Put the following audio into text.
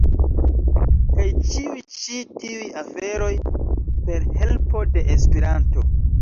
Kaj ĉiuj ĉi tiuj aferoj per helpo de Esperanto.